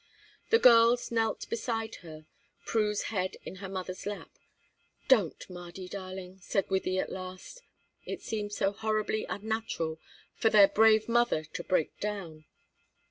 The girls knelt beside her, Prue's head in her mother's lap. "Don't, Mardy darling," said Wythie at last; it seemed so horribly unnatural for their brave mother to break down.